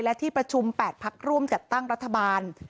และที่ประชุม๘พักร่วมจัดตั้งรัฐบาล